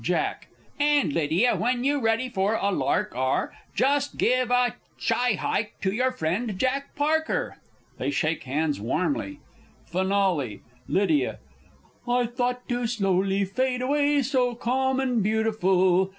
_ Jack. And, Lydia, when you ready for a lark are, Just give a chyhike to your friend Jack Parker! [They shake hands warmly. FINALE. Lydia. I thought to slowly fade away so calm and beautiful.